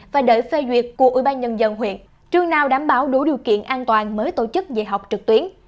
và đợi phê duyệt của ubnd huyện trường nào đảm bảo đủ điều kiện an toàn mới tổ chức dạy học trực tuyến